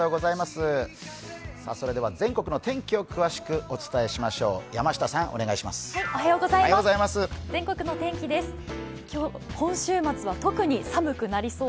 全国の天気を詳しくお伝えしましょう。